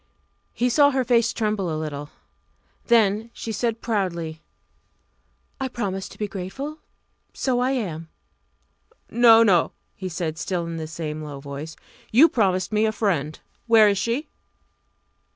He saw her face tremble a little. Then she said proudly "I promised to be grateful. So I am." "No, no!" he said, still in the same low tone. "You promised me a friend. Where is she?"